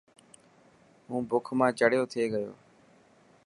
هون بک مان چڙيو ٿي گيو.